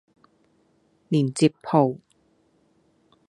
連接號